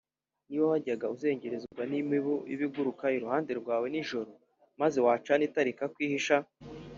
Niba wajyaga uzengerezwa n’imibu iba iguruka iruhande rwawe nijoro maze wacana itara ikakwihisha